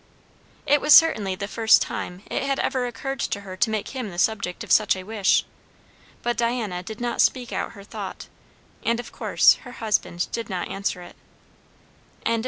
It was certainly the first time it had ever occurred to her to make him the subject of such a wish. But Diana did not speak out her thought, and of course her husband did not answer it. CHAPTER XXXIV.